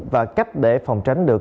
và cách để phòng tránh được